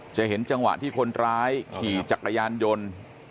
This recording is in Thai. จะเห็นจังหวะที่คนร้ายขี่จักรยานยนต์